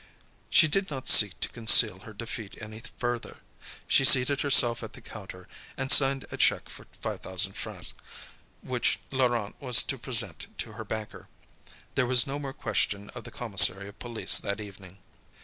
She did not seek to conceal her defeat any further. She seated herself at the counter, and signed a cheque for 5,000 francs, which Laurent was to present to her banker. There was no more question of the commissary of police that evening.